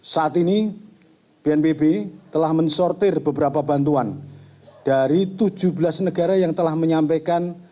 saat ini bnpb telah mensortir beberapa bantuan dari tujuh belas negara yang telah menyampaikan